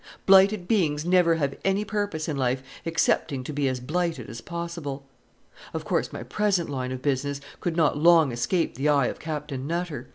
Blighted beings never have any purpose in life excepting to be as blighted as possible. Of course my present line of business could not long escape the eye of Captain Nutter.